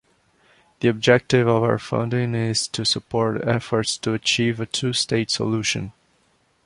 The objective of our funding is to support efforts to achieve a two-state solution.